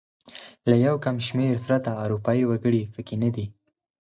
له یو کم شمېر پرته اروپايي وګړي پکې نه دي.